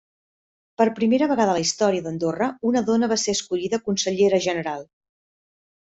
Per primera vegada a la història d'Andorra, una dona va ser escollida consellera general.